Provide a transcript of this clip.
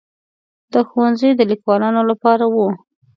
دا ښوونځي د لیکوالانو لپاره وو.